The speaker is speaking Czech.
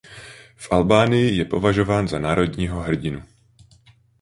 V Albánii je považován za národního hrdinu.